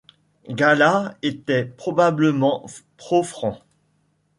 Galla était probablement pro-Francs.